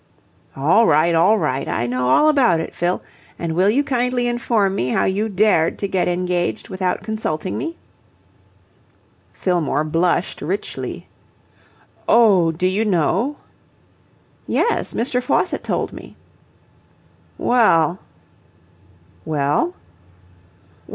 "All right! All right! I know all about it, Fill. And will you kindly inform me how you dared to get engaged without consulting me?" Fillmore blushed richly. "Oh, do you know?" "Yes. Mr. Faucitt told me." "Well..." "Well?"